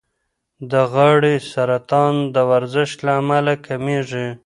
د غاړې سرطان د ورزش له امله کمېږي.